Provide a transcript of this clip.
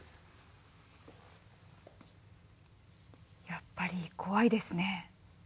やっぱり怖いですね。